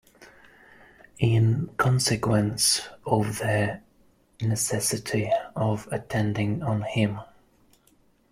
In consequence of the necessity of attending on him.